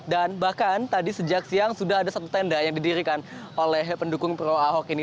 dan bahkan tadi sejak siang sudah ada satu tenda yang didirikan oleh pendukung pro ahok ini